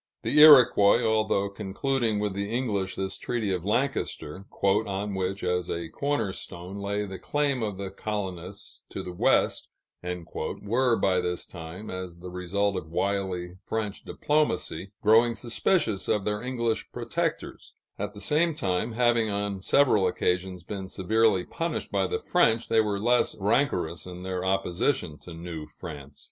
The Iroquois, although concluding with the English this treaty of Lancaster, "on which, as a corner stone, lay the claim of the colonists to the West," were by this time, as the result of wily French diplomacy, growing suspicious of their English protectors; at the same time, having on several occasions been severely punished by the French, they were less rancorous in their opposition to New France.